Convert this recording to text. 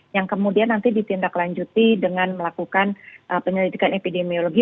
yang kemudian nanti ditindaklanjuti dengan melakukan penyelidikan epidemiologi